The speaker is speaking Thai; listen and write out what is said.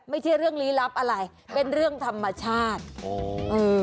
ไม่ใช่เรื่องลี้ลับอะไรเป็นเรื่องธรรมชาติโอ้เออ